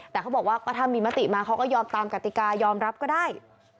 แต่เขาบอกว่าก็ถ้ามีมติมาเขาก็ยอมตามกติกายอมรับก็ได้